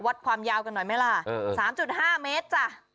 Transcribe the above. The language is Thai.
ความยาวกันหน่อยไหมล่ะ๓๕เมตรจ้ะ